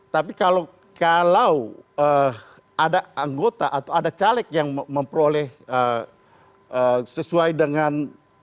tapi kalau ada anggota atau ada caleg yang memperoleh sesuai dengan